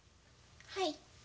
はい。